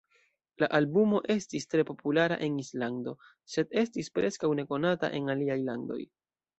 La albumo estis tre populara en Islando, sed estis preskaŭ nekonata en aliaj landoj.